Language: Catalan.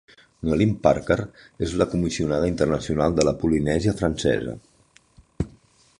Noelline Parker és la comissionada internacional de la Polinèsia Francesa.